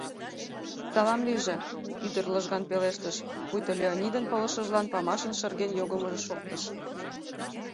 — Салам лийже, — ӱдыр лыжган пелештыш, пуйто Леонидын пылышыжлан памашын шырген йогымыжо шоктыш.